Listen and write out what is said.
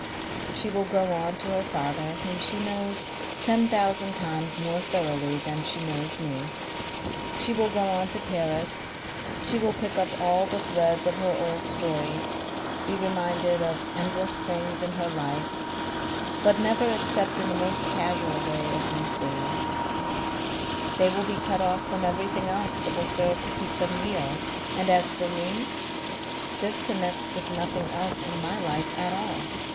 "She will go on to her father whom she knows ten thousand times more thoroughly than she knows me; she will go on to Paris, she will pick up all the threads of her old story, be reminded of endless things in her life, but never except in the most casual way of these days: they will be cut off from everything else that will serve to keep them real; and as for me this connects with nothing else in my life at all....